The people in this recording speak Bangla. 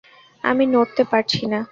আমি নড়তে পারছি না!